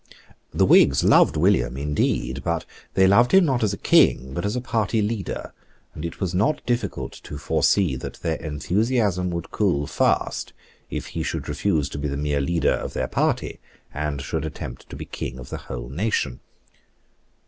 The Whigs loved William indeed: but they loved him not as a King, but as a party leader; and it was not difficult to foresee that their enthusiasm would cool fast if he should refuse to be the mere leader of their party, and should attempt to be King of the whole nation.